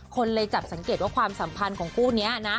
คนเลยจับสังเกตว่าความสัมพันธ์ของคู่นี้นะ